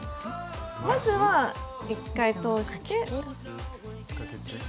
まずは１回通して。